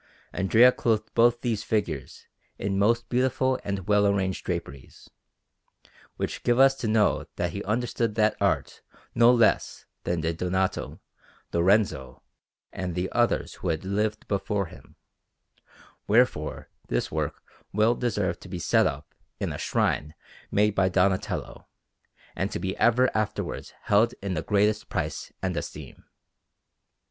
Andrea clothed both these figures in most beautiful and well arranged draperies, which give us to know that he understood that art no less than did Donato, Lorenzo, and the others who had lived before him; wherefore this work well deserved to be set up in a shrine made by Donatello, and to be ever afterwards held in the greatest price and esteem.